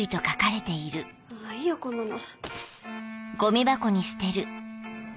いいよこんなの。